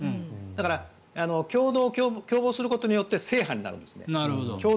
だから、共謀することによって正犯になるんです。